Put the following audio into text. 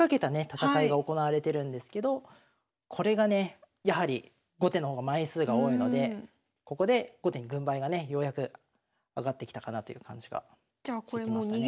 戦いが行われてるんですけどこれがねやはり後手の方が枚数が多いのでここで後手に軍配がねようやく上がってきたかなという感じがしてきましたね。